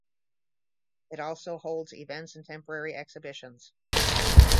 It also holds events and temporary exhibitions.